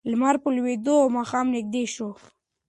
لمر په لوېدو و او ماښام نږدې شو.